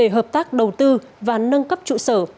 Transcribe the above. hội tác đầu tư và nâng cấp trụ sở